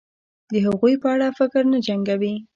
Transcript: د هغوی په اړه فکر نه جنګوي